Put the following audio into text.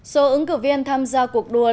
số ứng cử viên tham gia cuộc đua